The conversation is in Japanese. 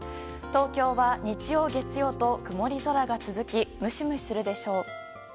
東京は日曜、月曜と曇り空が続きムシムシするでしょう。